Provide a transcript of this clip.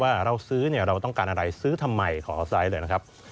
ว่าเราซื้อเราต้องการอะไรซื้อทำไมขออาศัยเลยนะครับ